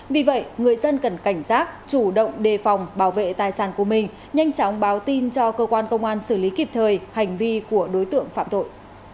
vì vậy người dân cần cảnh giác chủ động đề phòng bảo vệ tài sản của mình nhanh chóng báo tin cho cơ quan công an xử lý kịp thời hành vi của đối tượng phạm tội